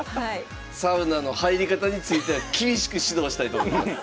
サウナの入り方については厳しく指導したいと思います。